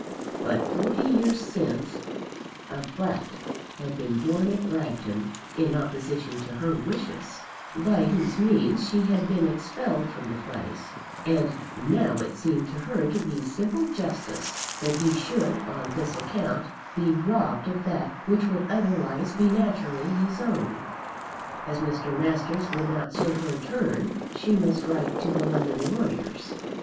But forty years since a brat had been born at Bragton in opposition to her wishes, by whose means she had been expelled from the place; and now it seemed to her to be simple justice that he should on this account be robbed of that which would otherwise be naturally his own. As Mr. Masters would not serve her turn she must write to the London lawyers.